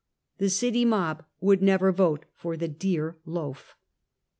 The city mob would never vote for the dear loaf.